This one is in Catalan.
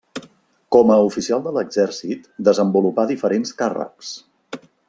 Com a oficial de l'exèrcit desenvolupà diferents càrrecs.